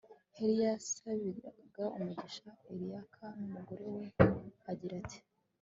heli yasabiraga umugisha elikana n'umugore we, agira ati